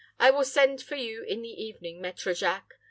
I will send for you in the evening, Maître Jacques.